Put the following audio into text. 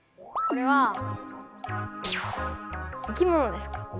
これはいきものですか？